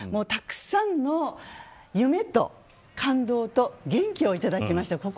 たくさんの夢と感動と元気をいただきました。